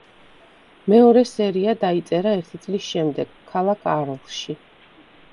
მეორე სერია დაიწერა ერთი წლის შემდეგ, ქალაქ არლში.